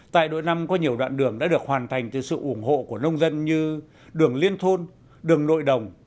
tại đội năm có nhiều đoạn đường đã được hoàn thành từ sự ủng hộ của nông dân như đường liên thôn đường nội đồng